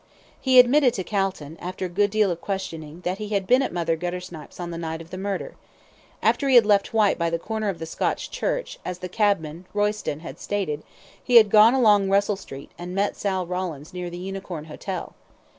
He admitted to Calton, after a good deal of questioning, that he had been at Mother Guttersnipe's on the night of the murder. After he had left Whyte by the corner of the Scotch Church, as the cabman Royston had stated, he had gone along Russell Street, and met Sal Rawlins near the Unicorn Hotel.